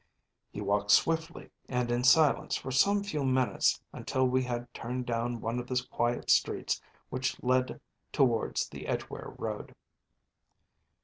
He walked swiftly and in silence for some few minutes until we had turned down one of the quiet streets which lead towards the Edgeware Road.